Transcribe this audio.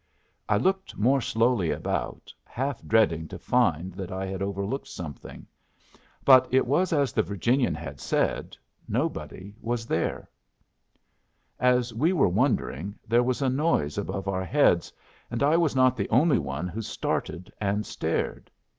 I looked more slowly about, half dreading to find that I had overlooked something. But it was as the Virginian had said; nobody was there. As we were wondering, there was a noise above our heads, and I was not the only one who started and stared.